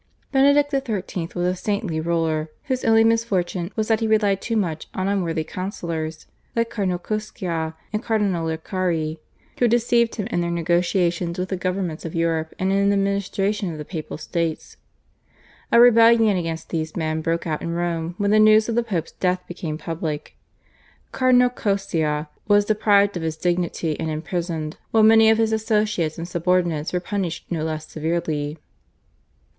Benedict XIII. was a saintly ruler, whose only misfortune was that he relied too much on unworthy councillors like Cardinal Coscia and Cardinal Lercari, who deceived him in their negotiations with the governments of Europe and in the administration of the Papal States. A rebellion against these men broke out in Rome when the news of the Pope's death became public. Cardinal Coscia was deprived of his dignity and imprisoned, while many of his associates and subordinates were punished no less severely.